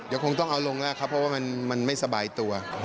จะคงเอาลงแน่ครับเพราะว่ามันไม่สบายตัว